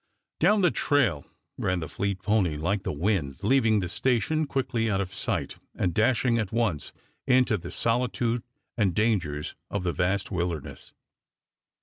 Down the trail ran the fleet pony like the wind, leaving the station quickly out of sight, and dashing at once into the solitude and dangers of the vast wilderness.